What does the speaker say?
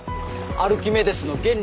アルキメデスの原理。